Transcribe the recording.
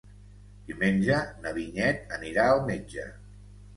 Diumenge na Vinyet anirà al metge.